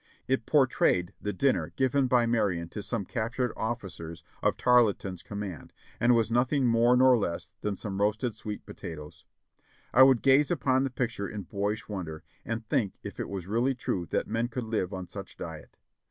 It portrayed the dinner given by Marion to some captured officers of Tarleton's command, and was nothing more nor less than some roasted sweet potatoes. I would gaze upon the picture in boyish wonder, and think if it was really true that men could live on such diet?